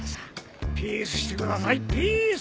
ピースしてくださいピース！